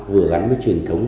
vừa gắn với truyền thống